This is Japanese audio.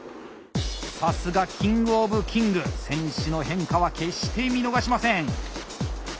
さすがキングオブキング選手の変化は決して見逃しません。